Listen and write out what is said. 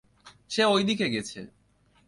সে ওইদিকে গেছে!